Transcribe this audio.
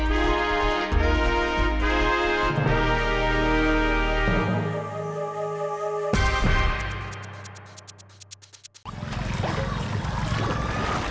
สวัสดีครับ